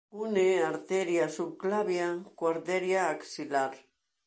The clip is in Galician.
Une a arteria subclavia coa arteria axilar.